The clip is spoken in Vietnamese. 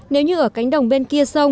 nếu như ở cánh đồng bên kia